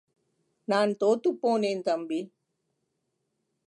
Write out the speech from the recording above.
நான் தோத்துப்போனேன் தம்பி.